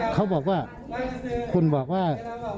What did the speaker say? เขาบอกว่าคุณบอกว่า